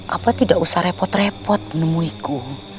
apa tidak usah repot repot menemuiku